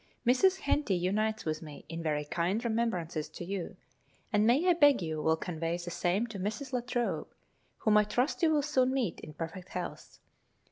Mrs. Henty unites with me in very kind remembrances to you, and may I beg you will convey the same to Mrs. La Trobe, whom I trust you will soon meet in perfect health.